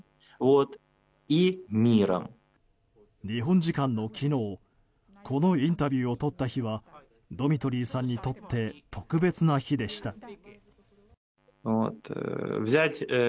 日本時間の昨日このインタビューを撮った日はドミトリーさんにとって特別な日でした。